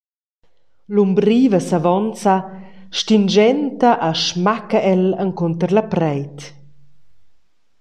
L’umbriva s’avonza, stinschenta e smacca el encunter la preit.